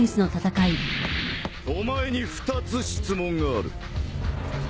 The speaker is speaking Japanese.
お前に２つ質問がある。